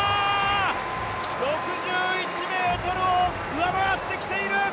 ６１ｍを上回ってきている！